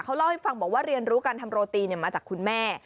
เขาเล่าให้ฟังบอกว่าเรียนรู้การทำโรตีมาจากคุณแม่